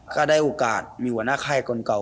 ก็ได้โอกาสมีหัวหน้าค่ายคนเก่า